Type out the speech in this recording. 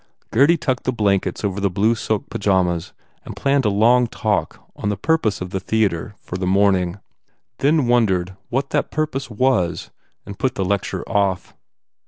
Gurdy tucked the blankets over the blue silk pyjamas and planned a long talk on the pur pose of the theatre for the morning, then won dered what that purpose was and put the lecture off.